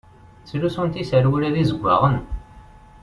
Ttlussunt iserwula d izeggaɣen.